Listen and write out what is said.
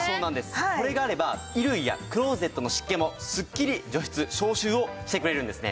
これがあれば衣類やクローゼットの湿気もすっきり除湿消臭をしてくれるんですね。